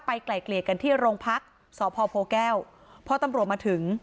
ไกล่เกลี่ยกันที่โรงพักษพแก้วพอตำรวจมาถึง